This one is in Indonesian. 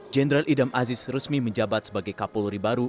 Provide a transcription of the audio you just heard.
jenderal idam aziz resmi menjabat sebagai kapolri baru